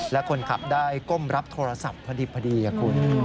และคนขับได้ก้มรับโทรศัพท์พอดีคุณ